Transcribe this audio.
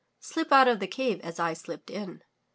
Slip out of the cave as I slipped in."